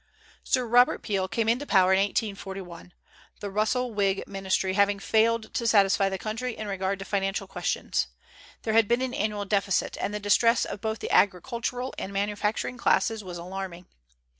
Sir Robert Peel came into power in 1841, the Russell Whig ministry having failed to satisfy the country in regard to financial questions. There had been an annual deficit, and the distress of both the agricultural and manufacturing classes was alarming.